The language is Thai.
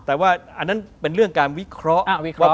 แต่ว่าอันนั้นเป็นเรื่องการวิเคราะห์